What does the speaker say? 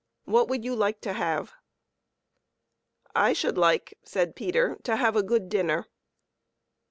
What would you like to have?" " I should like," said Peter, " to have a good dinner."